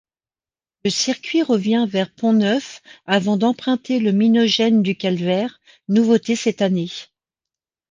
Le circuit revient vers Pont-Neuf avant d'emprunter le Minojenn du Calvaire, nouveauté cette année.